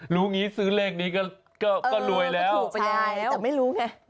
งี้ซื้อเลขนี้ก็รวยแล้วแต่ไม่รู้ไง